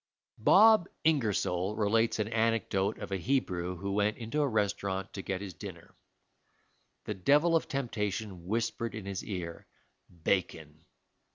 Bob Ingersoll relates an anecdote of a Hebrew who went into a restaurant to get his dinner. The devil of temptation whispered in his ear, "Bacon."